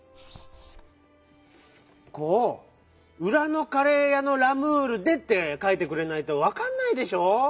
こう「うらのカレーやのラムールで」ってかいてくれないとわかんないでしょう？